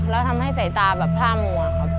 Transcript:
แล้วทำให้สายตาแบบท่ามัวครับ